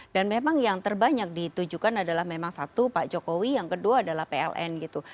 dan memang yang terbanyak ditujukan adalah memang satu pak jokowi yang kedua adalah pln gitu